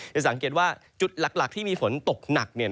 จะสังเกตว่าจุดหลักที่มีฝนตกหนัก